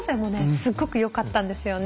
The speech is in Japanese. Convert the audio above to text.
すっごくよかったんですよね。